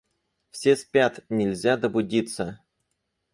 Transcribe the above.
— Все спят, нельзя добудиться.